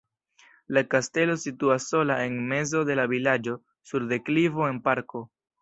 La kastelo situas sola en mezo de la vilaĝo sur deklivo en parko.